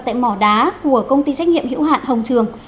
tại mỏ đá của công ty trách nhiệm hữu hạn hồng trường